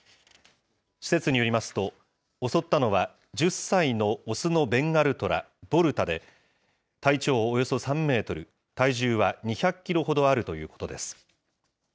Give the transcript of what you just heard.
施設によりますと、襲ったのは１０歳の雄のベンガルトラ、ボルタで、体長およそ３メートル、体重は２００キロほどあるということです。